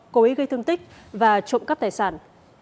cố ý gây thương tích và trộm cắp tài sản